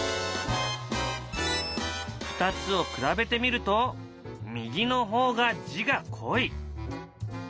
２つを比べてみると右の方が字が濃い。